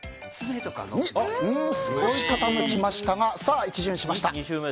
少し傾きましたが１巡しました。